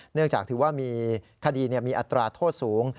เนื่องจากถือว่ามีคดีมีอัตราโทษสูง